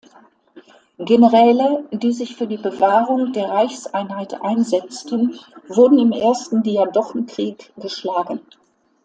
Generäle, die sich für die Bewahrung der Reichseinheit einsetzten, wurden im ersten Diadochenkrieg geschlagen.